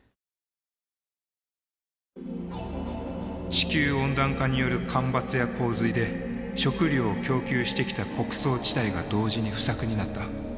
地球温暖化による干ばつや洪水で食料を供給してきた穀倉地帯が同時に不作になった。